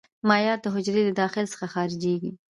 مایعات د حجرې له داخل څخه خارجيږي.